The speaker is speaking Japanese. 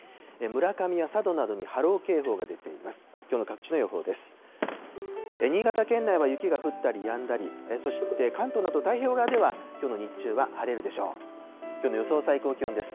村上や佐渡などに波浪警報が出ています。